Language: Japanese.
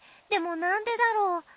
でもなんでだろう？